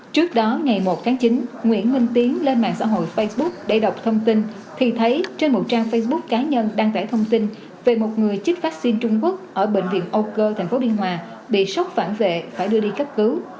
trước đó ngày một tháng chín nguyễn minh tiến lên mạng xã hội facebook để đọc thông tin thì thấy trên một trang facebook cá nhân đăng tải thông tin về một người chích vaccine trung quốc ở bệnh viện âu cơ tp biên hòa bị sốc phản vệ phải đưa đi cấp cứu